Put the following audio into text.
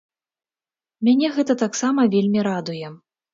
Мяне гэта таксама вельмі радуе.